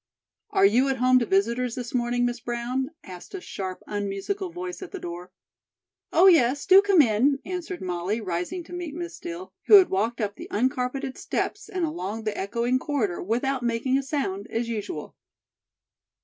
"Are you at home to visitors this morning, Miss Brown?" asked a sharp unmusical voice at the door. "Oh, yes; do come in," answered Molly, rising to meet Miss Steel, who had walked up the uncarpeted steps and along the echoing corridor without making a sound, as usual.